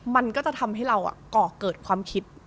มันก็จะทำให้เราก่อเกิดความคิด